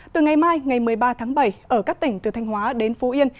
từ ngày mai ngày một mươi ba tháng bảy ở các tỉnh từ thanh hóa đến phú yên